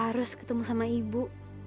harus ketemu sama ibu